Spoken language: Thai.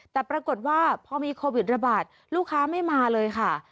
แต่ปรากฏว่าพอมีโควิดระบาดลูกค้าไม่มาเลยค่ะ